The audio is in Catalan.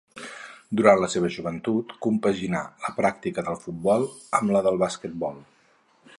Durant la seva joventut compaginà la pràctica del futbol amb la del basquetbol.